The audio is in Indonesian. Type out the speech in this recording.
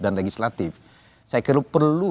dan legislatif saya kira perlu